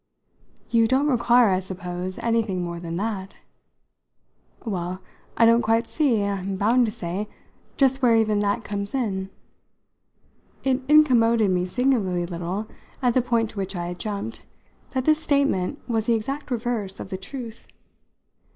"You don't require, I suppose, anything more than that?" "Well, I don't quite see, I'm bound to say, just where even 'that' comes in." It incommoded me singularly little, at the point to which I had jumped, that this statement was the exact reverse of the truth.